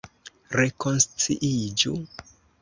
Rekonsciiĝu!